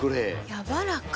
やわらか。